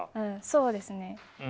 そうですね。